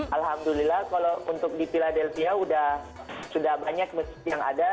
alhamdulillah kalau untuk di philadelphia sudah banyak masjid yang ada